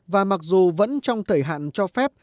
và mặc dù vẫn trong thời hạn cho phép